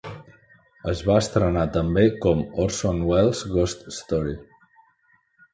Es va estrenar també com "Orson Welles' Ghost Story".